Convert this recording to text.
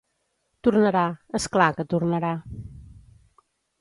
Tornarà, és clar, que tornarà.